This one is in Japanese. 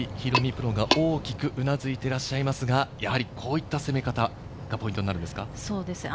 プロが大きくうなずいていらっしゃいますが、やはりこういった攻め方がポイントになるんですか？